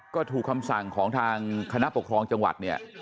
ก็ถูกคำสั่งของทางคณะปกครองจังหวัดเนี่ย